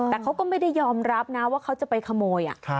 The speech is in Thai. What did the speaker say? แต่เขาก็ไม่ได้ยอมรับนะว่าเขาจะไปขโมย